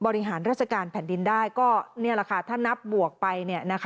บริหารราชการแผ่นดินได้ก็นี่แหละค่ะถ้านับบวกไป